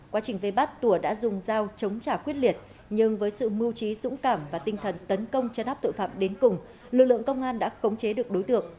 quá trình vây bắt tùa đã dùng dao chống trả quyết liệt nhưng với sự mưu trí dũng cảm và tinh thần tấn công chấn áp tội phạm đến cùng lực lượng công an đã khống chế được đối tượng